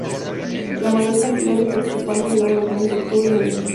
La mayor cantidad de precipitaciones se dan en los meses de Octubre y Noviembre.